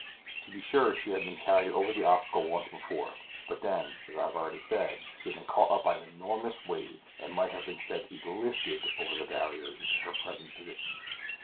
To be sure she had been carried over the obstacle once before, but then, as I have already said, she had been caught up by an enormous wave, and might have been said to be LIFTED over the barrier into her present position.